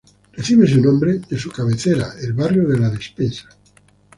Recibe su nombre de su cabecera, el barrio de La Despensa.